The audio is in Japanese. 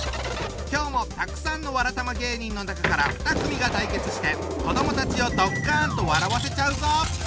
今日もたくさんのわらたま芸人の中から２組が対決して子どもたちをドッカンと笑わせちゃうぞ！